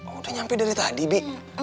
oh udah nyampe dari tadi bi